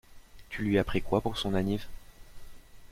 Tu lui as pris quoi pour son anniv?